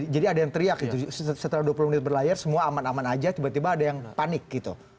jadi ada yang teriak setelah dua puluh menit berlayar semua aman aman saja tiba tiba ada yang panik gitu